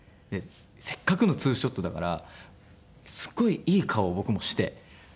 せっかくのツーショットだからすごいいい顔を僕もして。